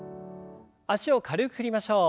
脚を軽く振りましょう。